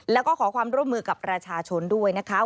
แล้วก็ขอความร่วมมือกับประชาชนด้วยนะคะ